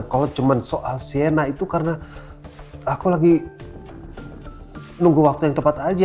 kalau cuma soal siena itu karena aku lagi nunggu waktu yang tepat aja